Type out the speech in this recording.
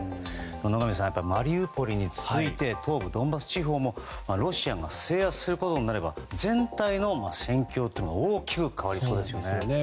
野上さん、マリウポリに続いて東部ドンバス地方もロシアが制圧することになれば全体の戦況が大きく変わりそうですよね。